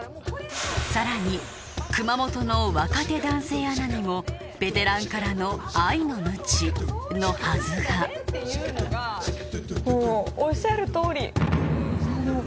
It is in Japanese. さらに熊本の若手男性アナにもベテランからの愛のムチのはずがもうおっしゃるとおり。